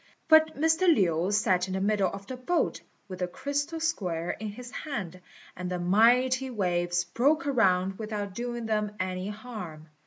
But Mr. Lin sat in the middle of the boat, with the crystal square in his hand, and the mighty waves broke around without doing them any harm.